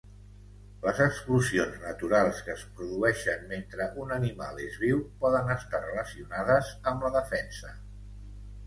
Les explosions naturals que es produeixen mentre un animal és viu poden estar relacionades amb la defensa.